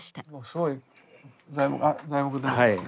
すごい材木だらけですね。